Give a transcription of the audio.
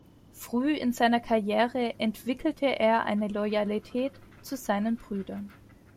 Früh in seiner Karriere entwickelte er eine Loyalität zu seinen Brüdern.